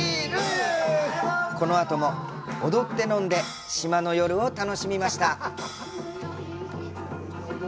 このあとも踊って飲んで島の夜を楽しみました。